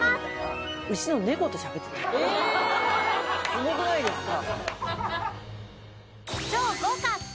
すごくないですか？